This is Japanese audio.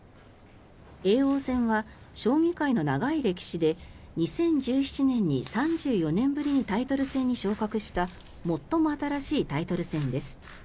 叡王戦は将棋界の長い歴史で２０１７年に３４年ぶりにタイトル戦に昇格した最も新しいタイトル戦です。